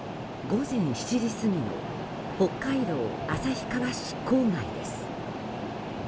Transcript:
午前７時過ぎの北海道旭川市郊外です。